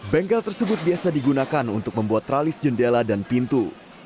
bengkel tersebut biasa digunakan untuk membuat tralis jendela dan pintu